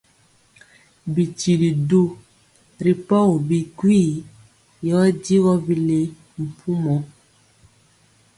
Bitili du ri pɔgi bikwii yɔ digɔ bile mpumɔ.